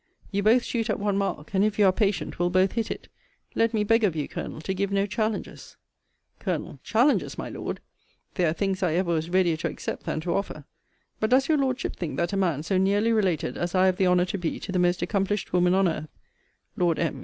You both shoot at one mark; and, if you are patient, will both hit it. Let me beg of you, Colonel, to give no challenges Col. Challenges, my Lord! They are things I ever was readier to accept than to offer. But does your Lordship think that a man, so nearly related as I have the honour to be to the most accomplished woman on earth, Lord M.